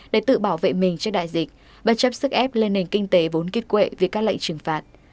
để tự bảo vệ mình trước đại dịch bất chấp sức ép lên nền kinh tế vốn kích quệ vì các lệnh trừng phạt